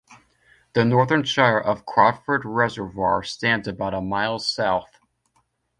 The northern shore of Crawford Reservoir stands about a mile south.